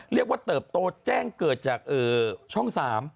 เรียกว่าเติบโตแจ้งเกิดจากช่อง๓